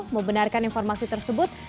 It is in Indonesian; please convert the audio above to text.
membenarkan informasi tersebut